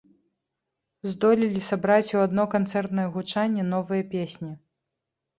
Здолелі сабраць у адно канцэртнае гучанне новыя песні.